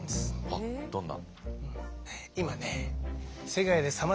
あっどんな？